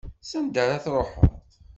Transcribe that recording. S anda ara truḥeḍ?